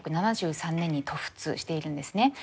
１９７３年に渡仏しているんですね。